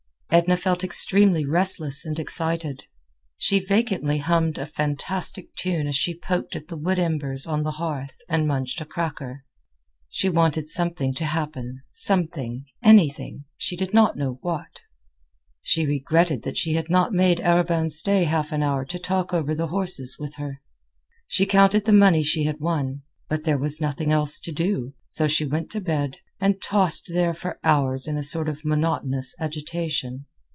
Edna felt extremely restless and excited. She vacantly hummed a fantastic tune as she poked at the wood embers on the hearth and munched a cracker. She wanted something to happen—something, anything; she did not know what. She regretted that she had not made Arobin stay a half hour to talk over the horses with her. She counted the money she had won. But there was nothing else to do, so she went to bed, and tossed there for hours in a sort of monotonous agitation.